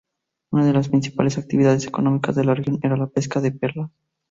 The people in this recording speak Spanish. Una de las principales actividades económicas de la región era la pesca de perlas.